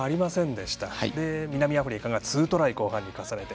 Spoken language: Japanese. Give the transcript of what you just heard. そして、南アフリカが２トライを後半に重ねて。